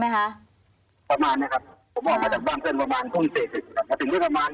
ประมาณนั้นครับ